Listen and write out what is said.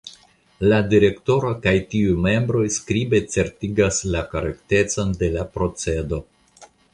La Direktoro kaj tiuj membroj skribe certigas la korektecon de la procedo.